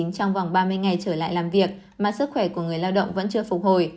trong vòng ba mươi ngày trở lại làm việc mà sức khỏe của người lao động vẫn chưa phục hồi